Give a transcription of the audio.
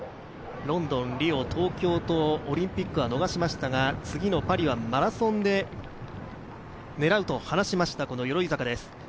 ロンドン、リオ、東京とオリンピックはのがしましたが、次のパリはマラソンで狙うと話しました鎧坂です。